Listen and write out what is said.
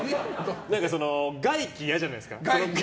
外気、嫌じゃないですか？